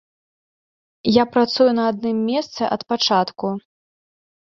Я працую на адным месцы ад пачатку.